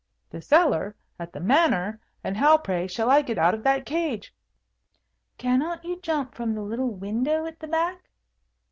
"The cellar! at the Manor! And how, pray, shall I get out of that cage?" "Cannot you jump from the little window at the back?"